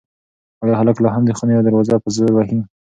ایا هلک لا هم د خونې دروازه په زور وهي؟